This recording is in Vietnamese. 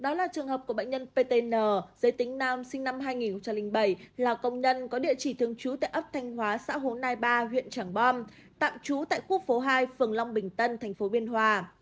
đó là trường hợp của bệnh nhân ptn giới tính nam sinh năm hai nghìn bảy là công nhân có địa chỉ thường trú tại ấp thanh hóa xã hồ nai ba huyện trảng bom tạm trú tại khu phố hai phường long bình tân thành phố biên hòa